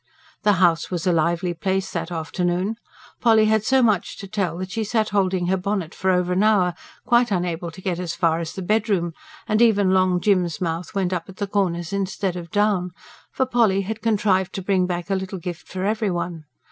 The house was a lively place that afternoon: Polly had so much to tell that she sat holding her bonnet for over an hour, quite unable to get as far as the bedroom; and even Long Jim's mouth went up at the corners instead of down; for Polly had contrived to bring back a little gift for every one.